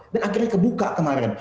dan akhirnya kebuka kemarin